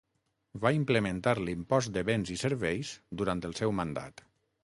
Va implementar l'impost de béns i serveis durant el seu mandat.